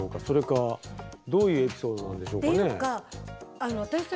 それかどういうエピソードなんでしょうかね。